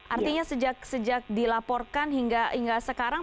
artinya sejak dilaporkan hingga sekarang